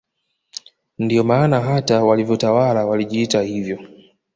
Ndio maana hata walivyotawala walijiita hivyo